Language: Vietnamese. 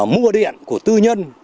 mua điện của tư dụng